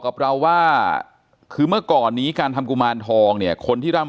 กับเราว่าคือเมื่อก่อนนี้การทำกุมารทองเนี่ยคนที่ร่ำ